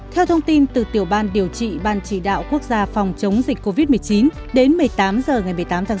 theo thông tin từ tiểu ban điều trị ban chỉ đạo quốc gia phòng chống dịch covid một mươi chín đến một mươi tám h ngày một mươi tám tháng sáu